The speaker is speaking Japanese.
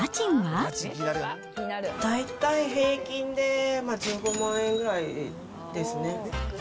大体、平均で１５万円ぐらいですね。